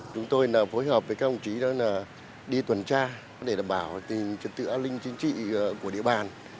chúng tôi phối hợp với các ông chí đó là đi tuần tra để đảm bảo trật tự an ninh chính trị của địa bàn